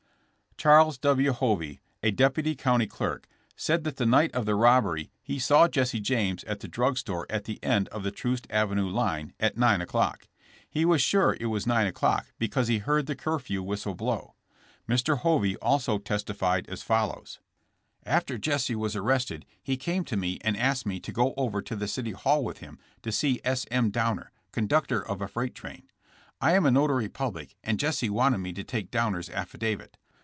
Charles W. Hovey, a deputy county clerk, said that the night of the robbery he saw Jesse James at the drug store at the end of the Troost avenue line at 9 o'clock. He was sure it was 9 o'clock because he heard the curfew whistle blow. Mr. Hovey also testi fied as follows: "After Jesse was arrested he came to me and asked me to go over to the city hall with him to see S. M. Downer, conductor of a freight train. I am a notary public and Jesse wanted me to take Downer's affidavit.